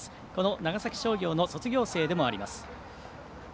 長崎商業の卒業生でもあります。